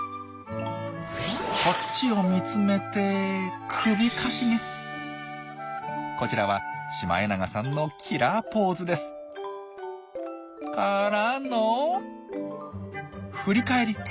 こっちを見つめてこちらはシマエナガさんのキラーポーズです。からの振り返り！